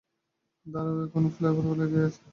দাঁড়াও, এখনও তো ফ্লেভার লেগেই আছে।